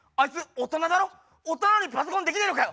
大人なのにパソコンできねえのかよ。